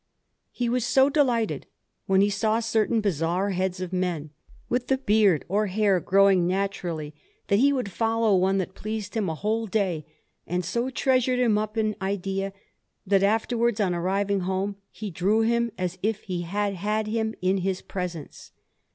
He was so delighted when he saw certain bizarre heads of men, with the beard or hair growing naturally, that he would follow one that pleased him a whole day, and so treasured him up in idea, that afterwards, on arriving home, he drew him as if he had had him in his presence.